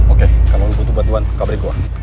oke kalo lu butuh bantuan kabri gua